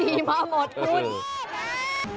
นี่ประชงฟาชีมาหมดคุณ